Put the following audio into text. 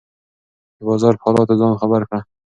د بازار په حالاتو ځان خبر کړه.